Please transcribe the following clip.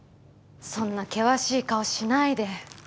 そんな険しい顔しないで。